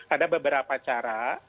ada beberapa cara